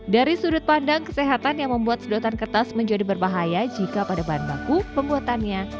dari sudut pandang kesehatan yang membuat sedotan kertas menjadi berbahaya jika pada bahan baku pembuatannya